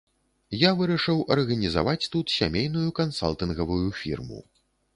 Я вырашыў арганізаваць тут сямейную кансалтынгавую фірму.